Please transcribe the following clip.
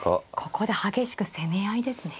ここで激しく攻め合いですね。